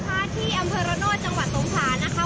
ที่อำเภอระโนธจังหวัดสงขลานะคะ